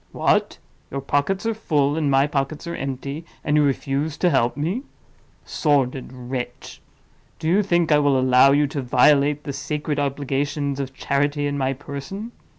What! your pockets are full, and my pockets are empty; and you refuse to help me? Sordid wretch! do you think I will allow you to violate the sacred obligations of charity in my person?